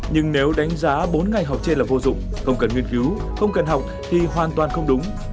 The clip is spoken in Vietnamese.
nhưng nếu đánh giá bốn ngày học trên là vô dụng không cần nghiên cứu không cần học thì hoàn toàn không đúng